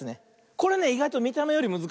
これねいがいとみためよりむずかしい。